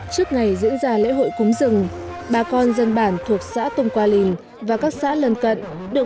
trước ngày diễn ra lễ hội cúng rừng bà con dân bản thuộc xã tùng qua lình và các xã lần cận được